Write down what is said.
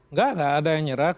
nggak nggak ada yang nyerak